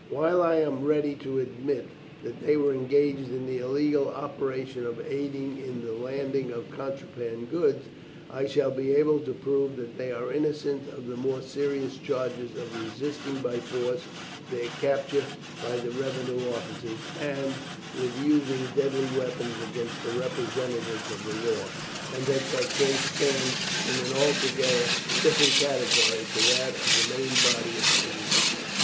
While I am ready to admit that they were engaged in the illegal operation of aiding in the landing of contraband goods, I shall be able to prove that they are innocent of the more serious charge of resisting by force their capture by the revenue officers, and with using deadly weapons against the representatives of the law, and that their case stands in an altogether different category to that of the main body of the prisoners."